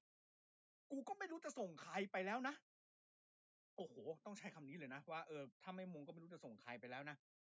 กูก็ไม่รู้จะส่งใครไปแล้วนะโอ้โหต้องใช้คำนี้เลยนะว่าเออถ้าไม่มงก็ไม่รู้จะส่งใครไปแล้วนะ